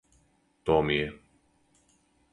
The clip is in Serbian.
То ми је.